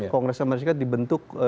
kongres amerika serikat dibentuk